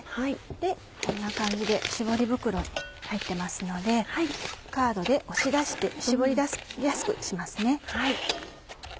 こんな感じで絞り袋に入ってますのでカードで押し出して絞りやすくしますね。